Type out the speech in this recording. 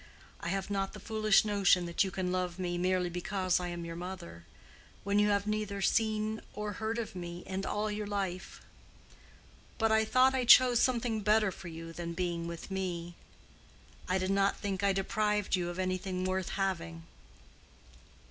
I have not the foolish notion that you can love me merely because I am your mother, when you have never seen or heard of me in all your life. But I thought I chose something better for you than being with me. I did not think I deprived you of anything worth having."